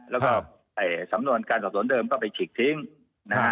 แล้วก็สำนวนการสอบสวนเดิมก็ไปฉีกทิ้งนะฮะ